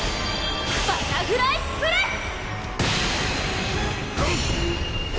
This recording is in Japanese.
バタフライプレス‼ラン